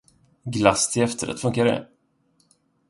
Glass till efterrätt, funkar det?